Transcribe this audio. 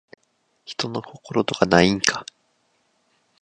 人の心とかないんか